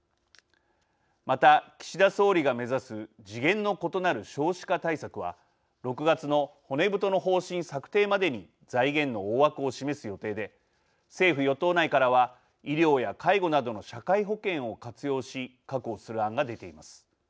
また、岸田総理が目指す次元の異なる少子化対策は６月の骨太の方針策定までに財源の大枠を示す予定で政府、与党内からは医療や介護などの社会保険を活用し確保する案が出ています。